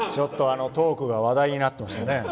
トークが話題になってましたね。